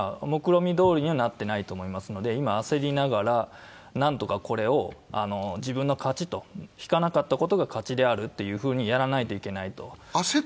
もくろみどおりにはなっていないと思いますので、今、焦りながら何とかこれを自分の勝ちと、引かなかったことが勝ちであるとやらなければいけないと。